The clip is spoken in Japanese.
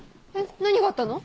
何があったの？